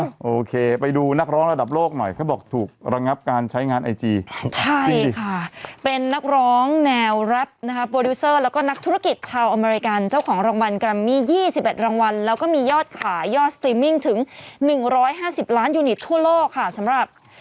โอเคไปดูนักร้องระดับโลกหน่อยเขาบอกถูกระงับการใช้งานไอจีใช่ค่ะเป็นนักร้องแนวแรปนะคะโปรดิวเซอร์แล้วก็นักธุรกิจชาวอเมริกันเจ้าของรางวัลแกรมมี่ยี่สิบเอ็ดรางวัลแล้วก็มียอดขายยอดสตรีมมิ่งถึง๑๕๐ล้านยูนิตทั่วโลกค่ะสำหรับ